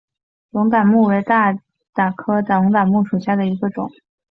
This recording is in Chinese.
龙胆木为大戟科龙胆木属下的一个种。